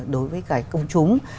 đối với cả công chúng